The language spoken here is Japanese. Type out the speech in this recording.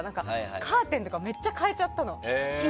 カーテンとかめっちゃ替えちゃったの。